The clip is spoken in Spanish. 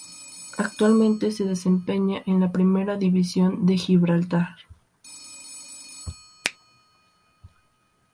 Actualmente se desempeña en la Primera División de Gibraltar.